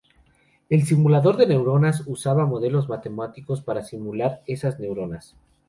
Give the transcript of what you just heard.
El simulador de neuronas usaba modelos matemáticos para simular esas neuronas.